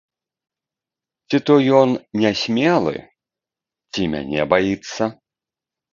Ці то ён нясмелы, ці мяне баіцца.